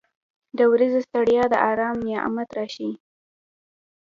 • د ورځې ستړیا د آرام نعمت راښیي.